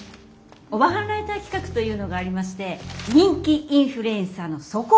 オバハンライター企画というのがありまして「人気インフルエンサーの素行を調査」。